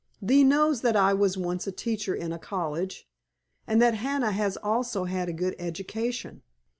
Thee knows that I was once a teacher in a college, and that Hannah has also had a good education.